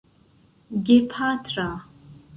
gepatra